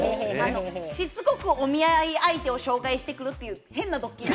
しつこくお見合い相手を紹介してくるという変なドッキリ。